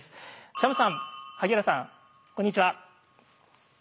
チャムさん萩原さんこんにちは。